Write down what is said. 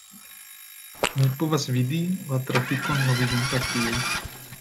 Mi povas vidi la trafikon moviĝanta tie